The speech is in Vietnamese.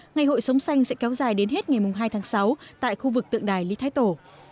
ngày hội sống xanh sẽ kéo dài đến hết ngày hai tháng sáu tại khu vực tượng đài lý thái tổ